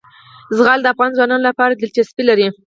زغال د افغان ځوانانو لپاره دلچسپي لري.